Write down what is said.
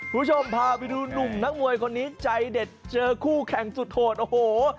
คุณผู้ชมพาไปดูหนุ่มนักมวยคนนี้ใจเด็ดเจอคู่แข่งสุดโหดโอ้โห